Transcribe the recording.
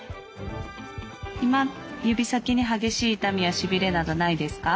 今指先に激しい痛みやしびれなどないですか？